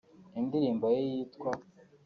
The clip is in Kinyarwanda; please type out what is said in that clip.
Indirimbo ye yitwa